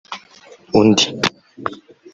Undi